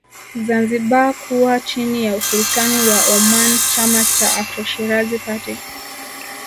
Zanzibar kuwa chini ya Usultani wa Omani Chama cha Afro Shirazi Party